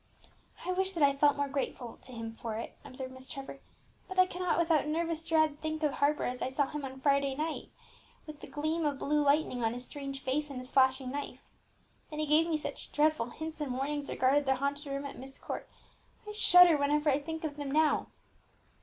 "I wish that I felt more grateful to him for it," observed Miss Trevor; "but I cannot without nervous dread think of Harper as I saw him on Friday night, with the gleam of blue lightning on his strange face and his flashing knife. Then he gave me such dreadful hints and warnings regarding the haunted room in Myst Court, I shudder whenever I think of them now!"